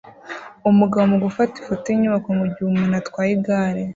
Umugabo mu gufata ifoto yinyubako mugihe umuntu atwaye igare